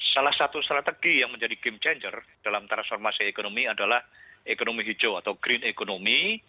salah satu strategi yang menjadi game changer dalam transformasi ekonomi adalah ekonomi hijau atau green economy